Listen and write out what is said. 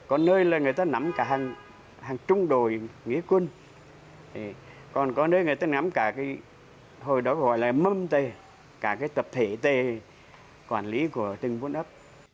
có nơi là người ta nắm cả hàng trung đội nghĩa quân còn có nơi người ta nắm cả cái hồi đó gọi là mâm tê cả cái tập thể tê quản lý của từng bốn ấp